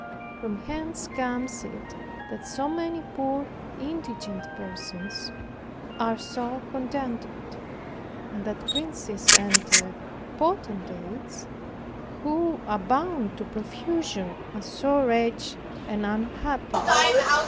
From whence comes it that so many poor indigent persons are so contented, and that princes and potentates, who abound to profusion, are so wretched and unhappy?